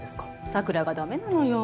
桜が駄目なのよ。